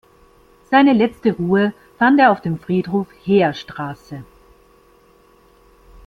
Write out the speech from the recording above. Seine letzte Ruhe fand er auf dem Friedhof Heerstraße.